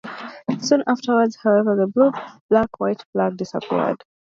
Soon afterwards, however, the blue-black-white flag disappeared.